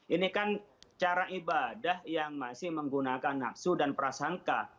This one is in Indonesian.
ini kan cara ibadah yang masih menggunakan nafsu dan prasangka